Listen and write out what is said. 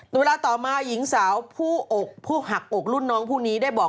เวลาต่อมาหญิงสาวผู้หักอกอุักลุ่นน้องพวกนี้ได้บอก